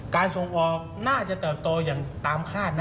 การส่งออกน่าจะเติบโตอย่างตามคาดนะ